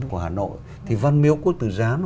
của hà nội thì văn miếu của tử giám